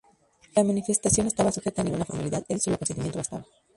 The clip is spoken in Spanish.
La manifestación no estaba sujeta a ninguna formalidad, el solo consentimiento bastaba.